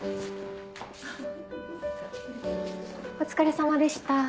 お疲れさまでした。